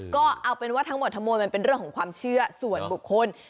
ก็เอาเป็นว่าทั้งหมดทั้งมวลมันเป็นเรื่องของความเชื่อส่วนบุคคล